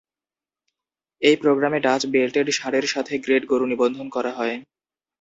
এই প্রোগ্রামে Dutch belted ষাঁড়ের সাথে গ্রেড গরু নিবন্ধন করা হয়।